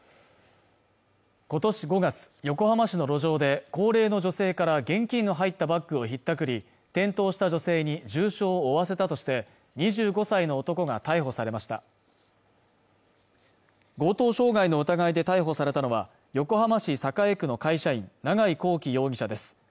今年５月横浜市の路上で高齢の女性から現金の入ったバッグをひったくり転倒した女性に重傷を負わせたとして２５歳の男が逮捕されました強盗傷害の疑いで逮捕されたのは横浜市栄区の会社員永井宏季容疑者です